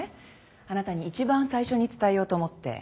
あなたに一番最初に伝えようと思って。